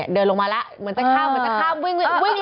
เดินลงมาล่ะคลาบวิ่ง